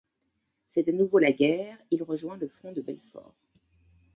C'est à nouveau la guerre, il rejoint le front de Belfort.